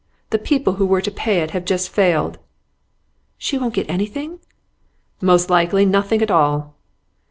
The people who were to pay it have just failed.' 'She won't get anything?' 'Most likely nothing at all.